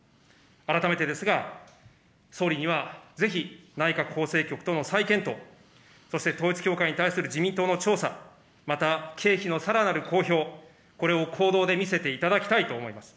改めてですが、総理には、ぜひ、内閣法制局との再検討、そして統一教会に対する自民党の調査、また経費のさらなる公表、これを行動で見せていただきたいと思います。